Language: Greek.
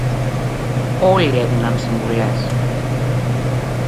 Όλοι έδιναν συμβουλές